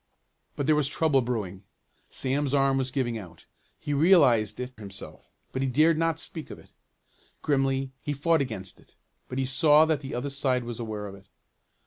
But there was trouble brewing. Sam's arm was giving out. He realized it himself but he dared not speak of it. Grimly he fought against it, but he saw that the other side was aware of it.